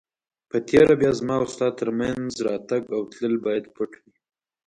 په تېره بیا زما او ستا تر مینځ راتګ او تلل باید پټ وي.